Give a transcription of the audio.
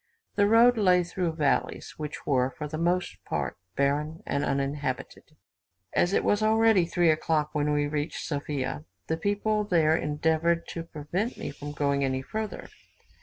The road lay through valleys, which were, for the most part, barren and uninhabited. As it was already 3 o'clock when we reached Sophia, the people there endeavoured to prevent me from going any further.